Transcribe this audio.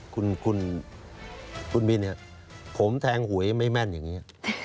คุณคุณบินเนี่ยผมแทงหวยไม่แม่นอย่างนี้